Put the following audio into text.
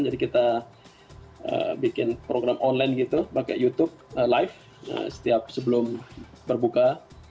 jadi kita bikin program online gitu pakai youtube live setiap sebelum berbuka